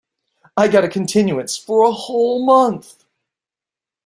I got a continuance for a whole month.